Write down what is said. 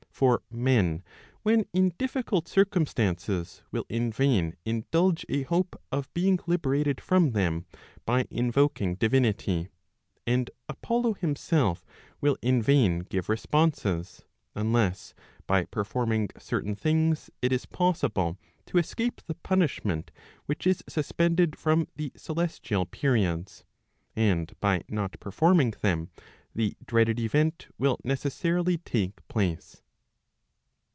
For men when in difficult circumstances will in vain indulge a hope of being liberated from them by invoking divinity, and Apollo himself will in vain give responses, unless ' by performing certain things it is possible to escape the punishment whiclj is suspended from the celestial periods, and by not performing them, the dreaded event will necessarily take place.